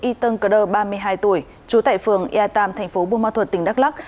y tân cơ đơ ba mươi hai tuổi trú tại phường ea tam thành phố buôn ma thuật tỉnh đắk lắc